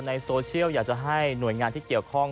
ในโซเชียลอยากจะให้หน่วยงานที่เกี่ยวข้อง